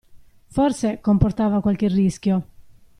Forse, comportava qualche rischio.